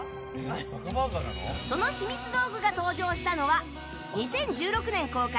そのひみつ道具が登場したのは２０１６年公開